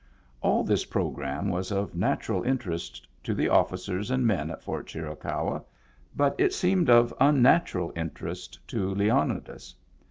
All this programme was of natural interest to the officers and men at Fort Chiricahua, but it seemed of unnatural interest to Leonidas.